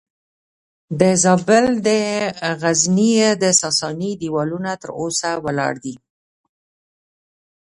د زابل د غزنیې د ساساني دیوالونه تر اوسه ولاړ دي